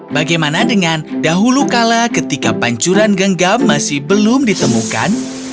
bagaimana dengan dahulu kala ketika pancuran genggam masih belum ditemukan